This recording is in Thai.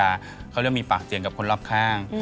เขาเรียกมีปากเสียงกับคนรอบข้าง